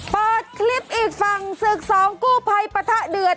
เปิดคลิปอีกฝั่งศึกสองกู้ภัยปะทะเดือด